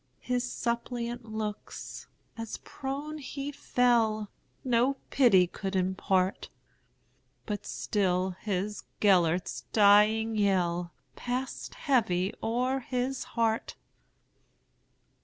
His suppliant looks, as prone he fell, No pity could impart; But still his Gêlert's dying yellPassed heavy o'er his heart.